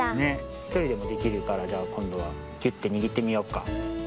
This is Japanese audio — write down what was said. ひとりでもできるからじゃあこんどはぎゅってにぎってみよっか。